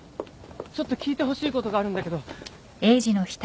ちょっと聞いてほしいことがあるんだけど。